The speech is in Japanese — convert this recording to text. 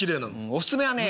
おすすめはね